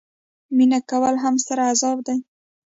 مینه کول هم ستر عذاب دي.